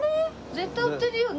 絶対売ってるよね。